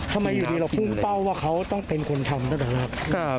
ทำไมอยู่ดีเราพูดเป้าว่าเขาต้องเป็นคนทำได้หรือเปล่า